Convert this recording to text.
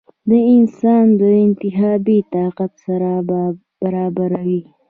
د انسان د انتخابي طاقت سره برابروې ؟